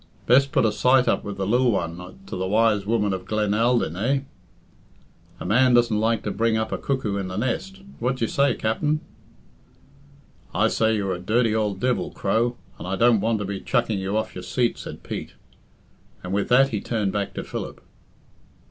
Best put a sight up with the lil one to the wise woman of Glen Aldyn, eh? A man doesn't like to bring up a cuckoo in the nest what d'ye say, Capt'n?" "I say you're a dirty ould divil, Crow; and I don't want to be chucking you off your seat," said Pete; and with that he turned back to Philip.